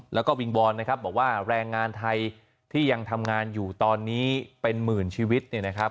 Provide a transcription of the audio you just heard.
แล้วก็วิงวอลแบบว่าแรงงานไทยที่ยังทำงานอยู่ตอนนี้เป็นหมื่นชีวิต